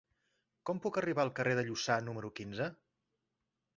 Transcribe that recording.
Com puc arribar al carrer de Lluçà número quinze?